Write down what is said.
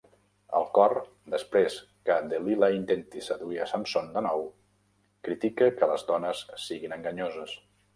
El Cor, després que Delila intenti seduir a Samson de nou, critica que les dones siguin enganyoses.